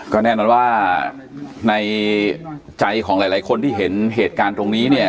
ก็แน่นอนว่าในใจของหลายคนที่เห็นเหตุการณ์ตรงนี้เนี่ย